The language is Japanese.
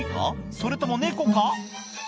それとも猫か？